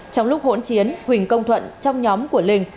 trong lúc hỗn chiến huỳnh công thuận trong nhóm của linh